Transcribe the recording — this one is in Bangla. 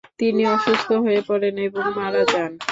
তিনি অসুস্থ হয়ে পড়েন এবং মারা যান।